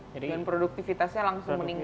dan produktivitasnya langsung meningkat